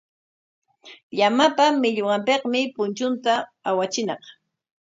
Llamapa millwanpikmi punchunta awachiñaq.